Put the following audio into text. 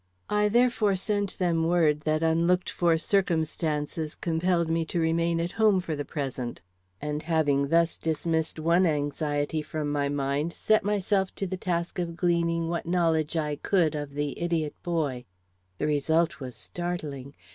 I therefore sent them word that unlooked for circumstances compelled me to remain at home for the present; and having thus dismissed one anxiety from my mind, set myself to the task of gleaning what knowledge I could of the idiot boy. The result was startling.